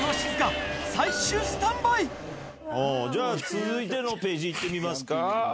じゃあ続いてのページいってみますか。